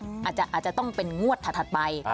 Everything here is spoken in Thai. อาจจะต้องเป็นงวดถัดไป